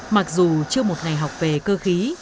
mặc dù chưa một ngày học về cơ khí